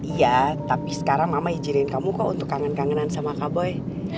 iya tapi sekarang mama ijirin kamu kok untuk kangen kangenan sama kaboy